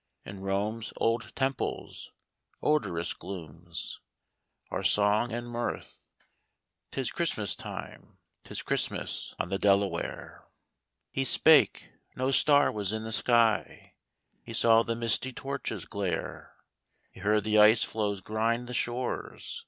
In Rome's old temples' odorous glooms. Are song and mirth — 'tis Christmas time — 'Tis Christmas on the Delaware." He spake — no star was in the sky — He saw the misty torches glare. He heard the ice floes grind the shores.